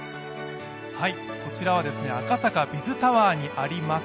こちらは、赤坂Ｂｉｚタワーにあります